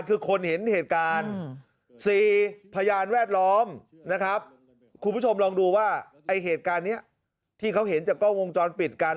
๑คุณผู้ชมรองดูว่าไอ้เหตุการณ์ที่เขาเห็นจากกล้องวงจรปิดกัน